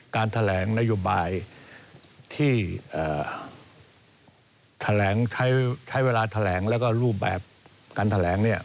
การแถลงนโยบายที่แถลงใช้เวลาแถลงแล้วก็รูปแบบการแถลงเนี่ย